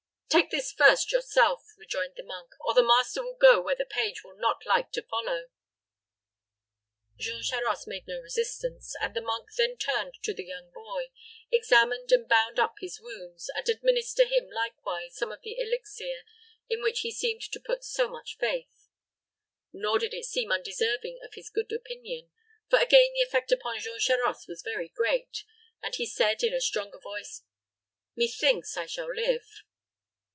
"Take this first yourself," rejoined the monk, "or the master will go where the page will not like to follow." Jean Charost made no resistance; and the monk then turned to the young boy, examined and bound up his wounds, and administered to him likewise some of the elixir in which he seemed to put so much faith. Nor did it seem undeserving of his good opinion; for again the effect upon Jean Charost was very great, and he said, in a stronger voice, "Methinks I shall live."